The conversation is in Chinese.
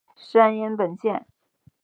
山阴本线。